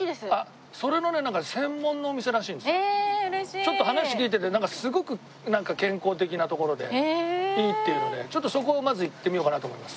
ちょっと話聞いててなんかすごく健康的な所でいいっていうのでちょっとそこをまず行ってみようかなと思います。